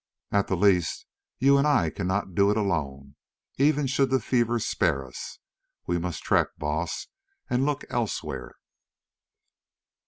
At the least you and I cannot do it alone, even should the fever spare us. We must trek, Baas, and look elsewhere."